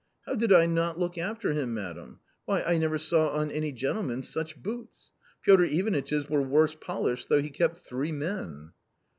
How did I not look after him, madam ; why, I never saw on any gentleman such boots. Piotr Ivanitch's were worse polished though he kept three men."